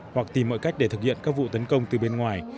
hoặc tìm mọi cách để thực hiện các vụ tấn công từ bên ngoài